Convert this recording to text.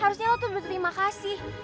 harusnya lo tuh berterima kasih